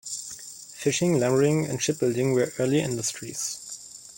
Fishing, lumbering and shipbuilding were early industries.